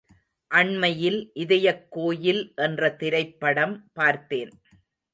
அண்மையில் இதயக் கோயில் என்ற திரைப்படம் பார்த்தேன்.